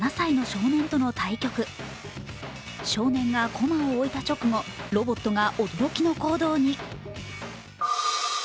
少年が駒を置いた直後、ロボットが驚きの行動に。